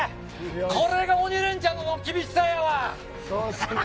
これが鬼レンチャンの厳しさやわ。